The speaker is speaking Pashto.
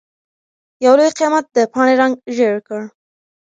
يو لوی قيامت د پاڼې رنګ ژېړ کړ.